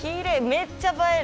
めっちゃ映える。